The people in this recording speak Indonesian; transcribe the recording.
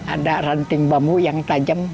ada ranting bambu yang tajam